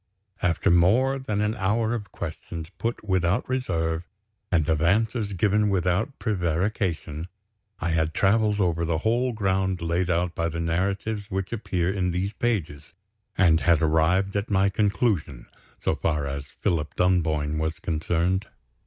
After more than an hour of questions put without reserve, and of answers given without prevarication, I had traveled over the whole ground laid out by the narratives which appear in these pages, and had arrived at my conclusion so far as Philip Dunboyne was concerned.